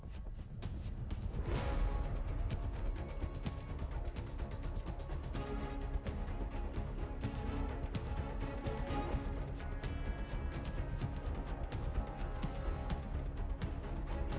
" fakultas gajah dua puluh sembilan maximum